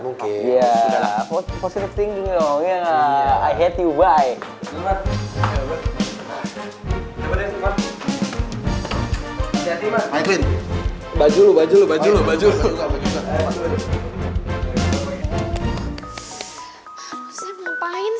roman juga mau istirahat mungkin